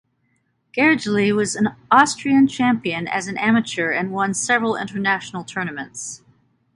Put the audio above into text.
Gergely was Austrian champion as an amateur and won several international tournaments.